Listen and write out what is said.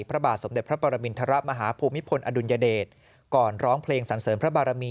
พระบาทสมเด็จพระปรมินทรมาฮภูมิพลอดุลยเดชก่อนร้องเพลงสันเสริมพระบารมี